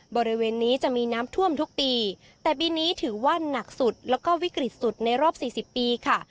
บริเวณนี้จะมีน้ำท่วมทุกปีแต่ปีนี้ถือว่านักสุดแล้วก็วิกฤตสุดในรอบสี่สิบปีค่ะ